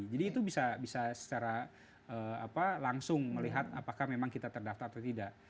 jadi itu bisa secara langsung melihat apakah memang kita terdaftar atau tidak